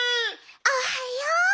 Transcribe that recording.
おはよう！